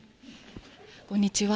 こんにちは。